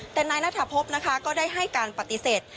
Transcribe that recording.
แต่นายนัทพบนะคะก็ได้ให้การปฏิเสธ